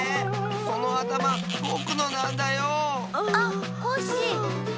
そのあたまぼくのなんだよ！あっコッシー！